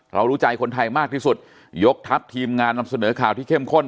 รู้ใจคนไทยมากที่สุดยกทัพทีมงานนำเสนอข่าวที่เข้มข้น